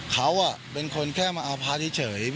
เขาเป็นคนแค่มาเอาพระเฉย